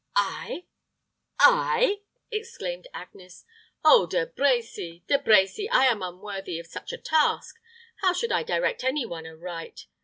"I I?" exclaimed Agnes. "Oh, De Brecy, De Brecy, I am unworthy of such a task! How should I direct any one aright?